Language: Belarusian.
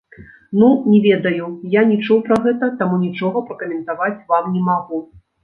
Ну, не ведаю, я не чуў пра гэта, таму нічога пракаментаваць вам не магу.